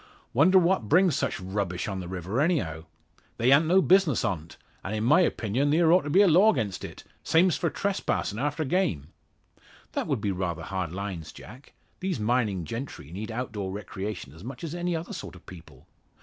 Wonder what brings such rubbish on the river anyhow. They han't no business on't; an' in my opinion theer ought to be a law 'gainst it same's for trespassin' after game." "That would be rather hard lines, Jack. These mining gentry need out door recreation as much as any other sort of people.